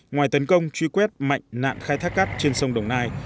ngoài tấn công truy quét mạnh nạn khai thác cát trên sông đồng nai